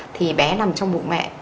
thì bé nằm trong bụng mẹ